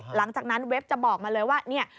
หลังจากนั้นเว็บจะบอกมาเลยว่าเนี่ย